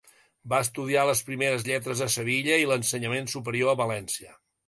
Va estudiar les primeres lletres a Sevilla i l'ensenyament superior a València.